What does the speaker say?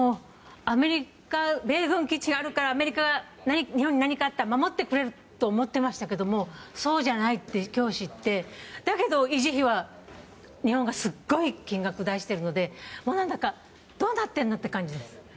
米軍基地があるから日本に何かあったらアメリカが守ってくれると思ってましたけどそうじゃないと今日、知ってだけど維持費は日本がすごい金額を出しているので何だか、どうなってるの？っていう感じです。